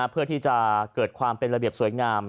เพื่อที่จะเกิดความเป็นระเบียบสวยงาม